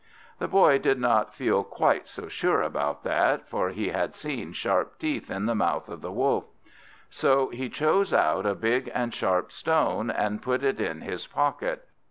The Boy did not feel quite so sure about that, for he had seen sharp teeth in the mouth of the Wolf. So he chose out a big and sharp stone, and put it in his pocket.